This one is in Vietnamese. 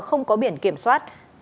không có biển kiểm soát